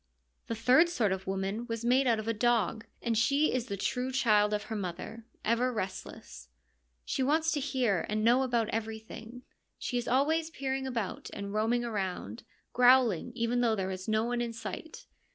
The third sort of woman was made out of a dog, and she is the true child of her mother, ever restless. She wants to hear and know about everything ; she is always peering /'about and roaming around, growling even though there is no one in sight.